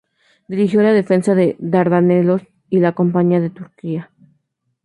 Dirigió la defensa de los Dardanelos y la campaña de Turquía.